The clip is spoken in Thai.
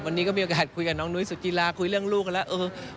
วันนี้ก็มีโอกาสคุยกับน้องนุ้ยสุจิลาคุยเรื่องลูกกันแล้ว